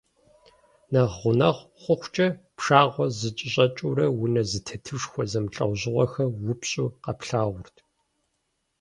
Нэхъ гъунэгъу хъухункӏэ, пшагъуэр зэкӏэщӏэкӏыурэ, унэ зэтетышхуэхэ зэмылӏэужьыгъуэхэр упщӏу къэплъагъурт.